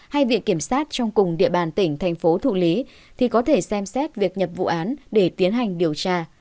hay viện kiểm sát trong cùng địa bàn tỉnh thành phố thụ lý thì có thể xem xét việc nhập vụ án để tiến hành điều tra